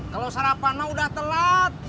kalau sarapannya udah telat